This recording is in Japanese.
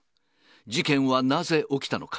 事件はなぜ起きたのか。